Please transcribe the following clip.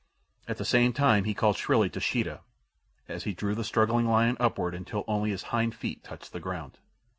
At the same time he called shrilly to Sheeta, as he drew the struggling lion upward until only his hind feet touched the ground.